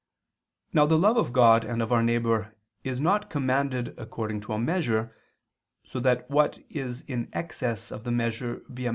Now the love of God and of our neighbor is not commanded according to a measure, so that what is in excess of the measure be a matter of counsel.